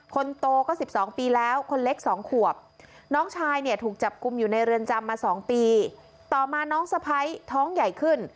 คนโตก็๑๒ปีแล้วคนเล็ก๒ขวบน้องชายเนี่ยถูกจับกลุ่มอยู่ในเรือนจำมา๒ปีต่อมาน้องสะพ้ายท้องใหญ่ขึ้น